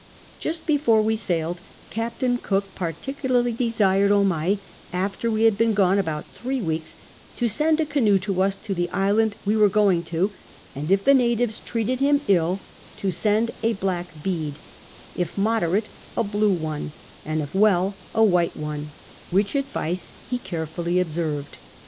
Just before we sailed Captain Cook particularly desired Omai, after we had been gone about three weeks, to send a canoe to us, to the island we were going to; and if the natives treated him ill, to send a black bead, if moderate a blue one, and if well a white one; which K IJO CAPTAIN COOK CflAR advice he carefully observed.